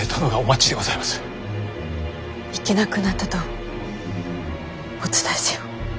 行けなくなったとお伝えせよ。